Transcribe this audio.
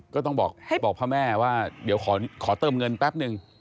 ก็ต้องบอกพ่อแม่ว่าเดี๋ยวขอเติมเงินแป๊บนึง